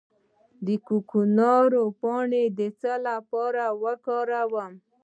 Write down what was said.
د کوکنارو پاڼې د څه لپاره وکاروم؟